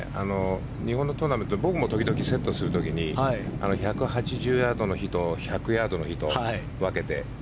日本のトーナメント僕も時々セットする時に１８０ヤードの日と１００ヤードの日と分けて。